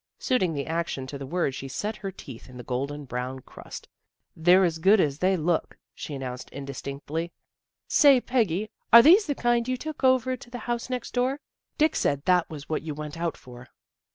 Suiting the action to the word she set her teeth in the golden brown crust. " They're as good as they look," she announced indistinctly. " Say, Peggy, are these the kind you took over to the house next door? Dick said that was what you went out for."